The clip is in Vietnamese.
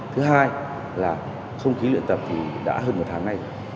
thứ hai là không khí luyện tập thì đã hơn một tháng nay